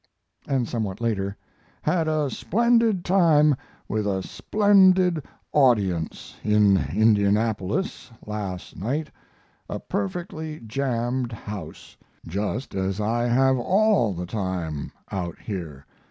And somewhat later: Had a splendid time with a splendid audience in Indianapolis last night; a perfectly jammed house, just as I have all the time out here....